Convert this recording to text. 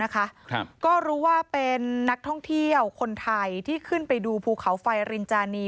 ก็รู้ว่าเป็นนักท่องเที่ยวคนไทยที่ขึ้นไปดูภูเขาไฟรินจานี